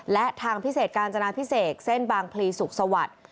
และทางพิเศษกาญจนาพิเศษเส้นบางพลีสุขสวัสดิ์